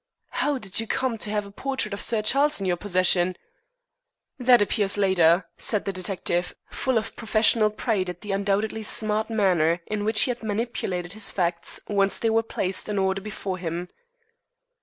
"How did you come to have a portrait of Sir Charles in your possession?" "That appears later," said the detective, full of professional pride at the undoubtedly smart manner in which he had manipulated his facts once they were placed in order before him.